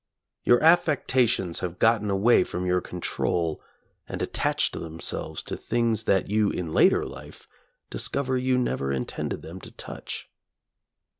Your affections have gotten away from your control and attached themselves to things that you in later life discover you never in tended them to touch.